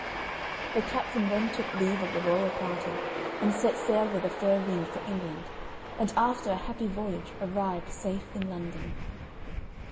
The captain then took leave of the royal party, and set sail with a fair wind for England, and after a happy voyage arrived safe in London.